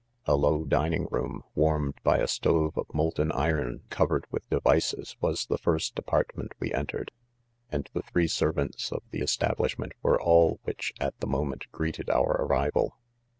A low dining roomy warmed hy a stove qf molt en iron covered 1 with devices, was 'the foist apartment we entered f and the three 'servants of the es» iablishment were all which, at ' the " monient ? greeted' our arrival.